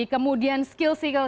kemudian skill sepak bola